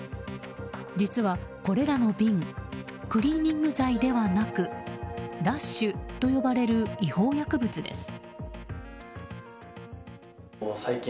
実は、これらの瓶クリーニング剤ではなくラッシュと呼ばれる違法薬物です。